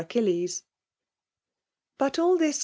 Achilles. '. But all this.